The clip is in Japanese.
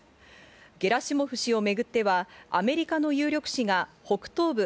ゲラシモフ氏をめぐってはアメリカの有力紙が北東部